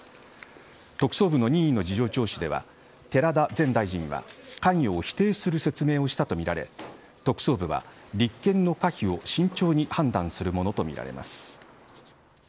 特捜部の任意の事情聴取では寺田前大臣は関与を否定する説明をしたとみられ特捜部は立件の可否を慎重に判断するものとみられます。